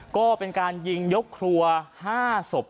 ก็เป็นการยิงยกครัว๕ศพ